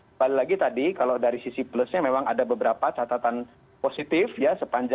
kembali lagi tadi kalau dari sisi plusnya memang ada beberapa catatan positif ya